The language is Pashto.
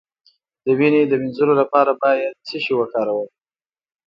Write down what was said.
د وینې د مینځلو لپاره باید څه شی وکاروم؟